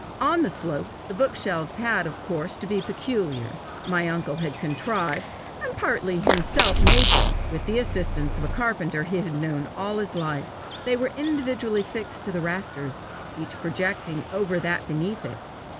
On the slopes the bookshelves had of course to be peculiar. My uncle had contrived, and partly himself made them, with the assistance of a carpenter he had known all his life. They were individually fixed to the rafters, each projecting over that beneath it.